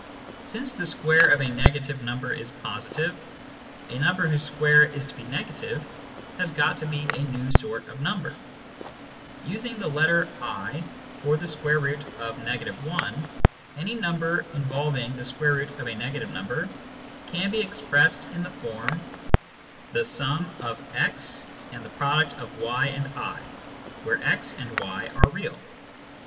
Since the square of a negative number is positive, a number whose square is to be negative has to be a new sort of number. Using the letter i for the square root of —i, any number involving the square root of a negative number can be expressed in the form x \ yi, where x and y are real.